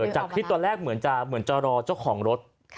จากคิดตอนแรกเหมือนจะรอเจ้าของรถ